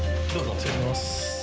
失礼します。